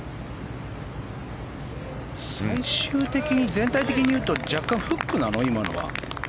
最終的に全体的に言うと若干フックなの？